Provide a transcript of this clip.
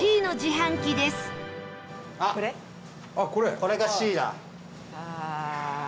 前田：これがＣだ。